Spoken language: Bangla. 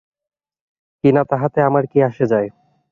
কিনা, তাহাতে আমার কি আসে যায়?